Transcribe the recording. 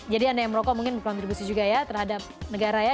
jadi anda yang merokok mungkin berkontribusi juga ya terhadap negara ya